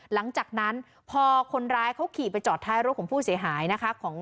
หลังจากนั้นพอคนร้ายเขาขี่ไปจอดท้ายรถของผู้เสียหายนะคะ